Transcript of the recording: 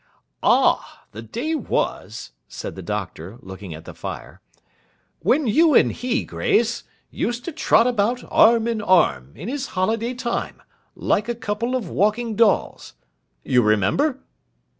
'Ah! The day was,' said the Doctor, looking at the fire, 'when you and he, Grace, used to trot about arm in arm, in his holiday time, like a couple of walking dolls. You remember?